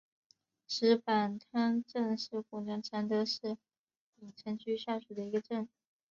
石板滩镇是湖南常德市鼎城区下属的一个镇。